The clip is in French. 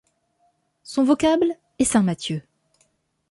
Son vocable est Saint-Matthieu.